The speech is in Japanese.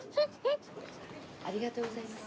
ありがとうございます。